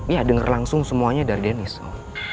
ya denger langsung semuanya dari dennis om